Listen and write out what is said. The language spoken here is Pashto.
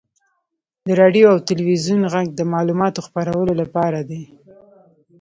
• د راډیو او تلویزیون ږغ د معلوماتو خپرولو لپاره دی.